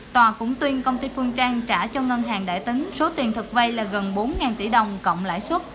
tòa cũng tuyên công ty phương trang trả cho ngân hàng đại tín số tiền thực vây là gần bốn tỷ đồng cộng lãi xuất